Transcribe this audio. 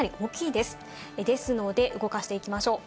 ですので、動かしていきましょう。